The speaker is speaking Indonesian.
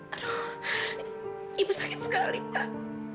aduh ibu sakit sekali pak